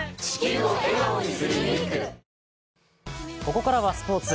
ここからはスポーツ。